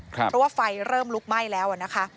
เพราะว่าไฟเริ่มลุกไหม้แล้วนะคะ